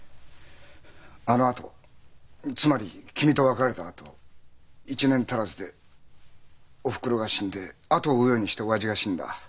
あのあとつまり君と別れたあと１年足らずでおふくろが死んで後を追うようにして親父が死んだ。